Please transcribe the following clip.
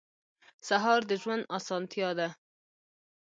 سهار د ژوند اسانتیا ده.